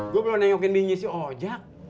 gua belum tengokin bingisnya ojak